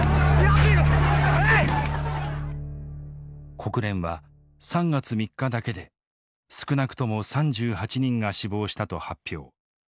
国連は３月３日だけで少なくとも３８人が死亡したと発表。